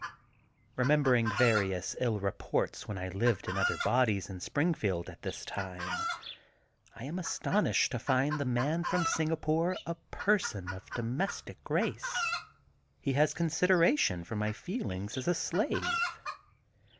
Remembering various ill reports when I lived in other bodies in Springfield at this time, I am astonished to find the Man from Singapore a person of domestic grace. He has consideration for my feelings as a slave.